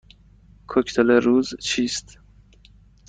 کوکتل روز چیست؟